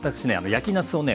焼きなすをね